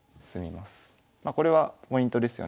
まこれはポイントですよね。